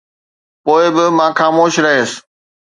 پوءِ به مان خاموش رهيس